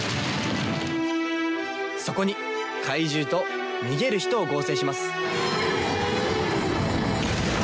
そこに怪獣と逃げる人を合成します。